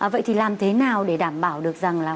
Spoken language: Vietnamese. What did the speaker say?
vậy thì làm thế nào để đảm bảo được rằng là